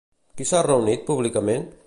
Qui s'ha reunit públicament?